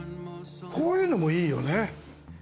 こういうのもいいよね。